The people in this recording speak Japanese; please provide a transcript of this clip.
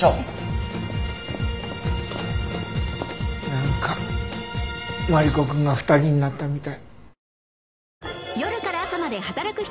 なんかマリコくんが２人になったみたい。